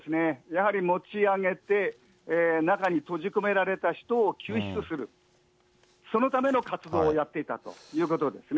やはり持ち上げて、中に閉じ込められた人を救出する、そのための活動をやっていたということですね。